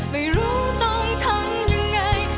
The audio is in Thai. ไม่รู้ต้องทำยังไง